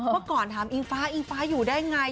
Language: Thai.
เมื่อก่อนถามอิงฟ้าอิงฟ้าอยู่ได้ไง